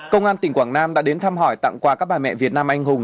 công an tỉnh quảng nam đã đến thăm hỏi tặng quà các bà mẹ việt nam anh hùng